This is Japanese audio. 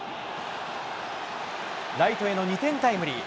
ライトへの２点タイムリー。